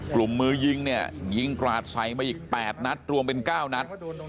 มือยิงเนี่ยยิงกราดใส่มาอีก๘นัดรวมเป็น๙นัด